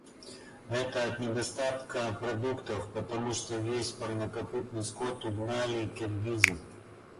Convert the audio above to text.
Это от недостатка продуктов, потому что весь парнокопытный скот угнали киргизы.